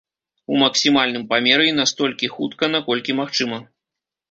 У максімальным памеры і настолькі хутка, наколькі магчыма.